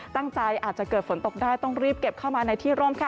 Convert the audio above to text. อาจจะเกิดฝนตกได้ต้องรีบเก็บเข้ามาในที่ร่มค่ะ